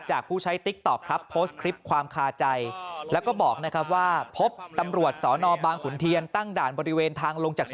น่าจะเป็นการตั้งด่านนะครับ